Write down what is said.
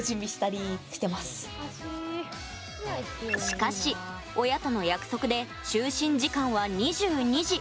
しかし親との約束で就寝時間は２２時。